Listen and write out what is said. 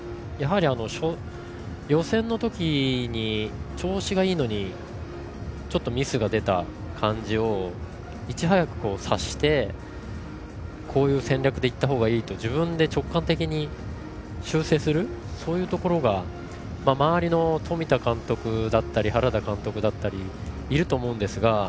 予選のとき調子がいいのにちょっとミスが出た感じをいち早く察してこういう戦略でいったほうがいいと自分で直感的に修正するそういうところが周りの冨田監督だったり原田監督だったりがいると思うんですが。